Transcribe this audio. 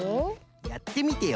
やってみてよ